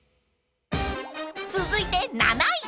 ［続いて７位］